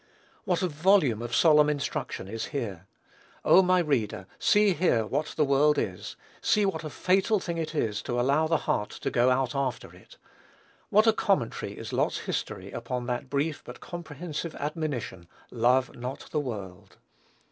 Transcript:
What a volume of solemn instruction is here! Oh, my reader, see here what the world is! see what a fatal thing it is to allow the heart to go out after it! What a commentary is Lot's history upon that brief but comprehensive admonition, "Love not the world!"